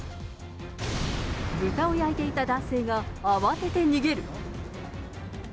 豚を焼いていた男性が慌てて逃げる。